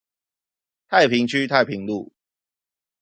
太平區太平路